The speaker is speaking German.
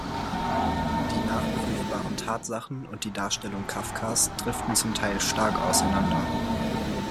Die nachprüfbaren Tatsachen und die Darstellung Kafkas driften zum Teil stark auseinander.